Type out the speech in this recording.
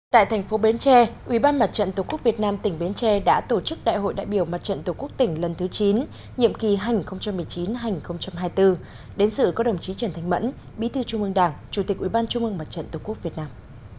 tại thành phố bến tre ủy ban mặt trận tổ quốc việt nam tỉnh bến tre đã tổ chức đại hội đại biểu mặt trận tổ quốc tỉnh lần thứ chín nhiệm kỳ hai nghìn một mươi chín hai nghìn hai mươi bốn đến sự có đồng chí trần thanh mẫn bí thư trung ương đảng chủ tịch ủy ban trung ương mặt trận tổ quốc việt nam